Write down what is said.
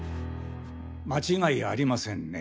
間違いありませんね。